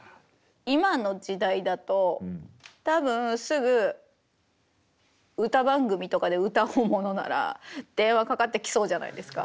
今の時代だと多分すぐ歌番組とかで歌おうものなら電話かかってきそうじゃないですか。